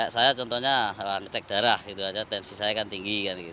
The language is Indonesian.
saya contohnya ngecek darah tensi saya kan tinggi